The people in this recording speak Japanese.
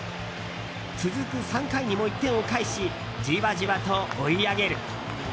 続く３回にも１点を返しじわじわと追い上げる。